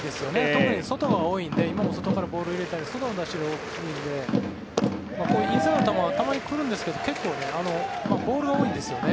特に外が多いので今も外からボールを入れたり外の出し入れが多いのでインサイドの球たまに来るんですけどボールが多いんですよね。